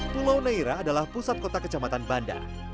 pulau naira adalah pusat kota kecamatan banda